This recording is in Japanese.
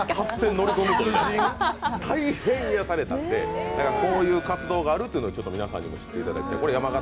大変癒されたので、こういう活動があるというのを皆さんに知っていただいて。